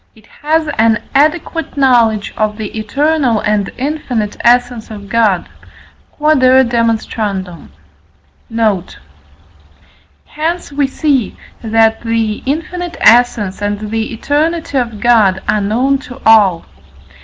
it has an adequate knowledge of the eternal and infinite essence of God. Q.E.D. Note. Hence we see, that the infinite essence and the eternity of God are known to all.